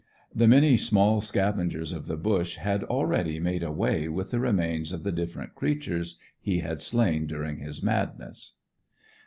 The many small scavengers of the bush had already made away with the remains of the different creatures he had slain during his madness.